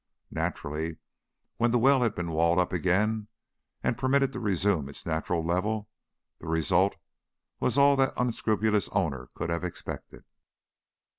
Naturally, when the well had been walled up again and permitted to resume its natural level, the result was all that the unscrupulous owner could have expected.